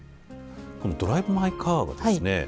この「ドライブ・マイ・カー」はですね